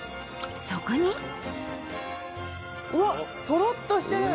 そこにうわっとろっとしてる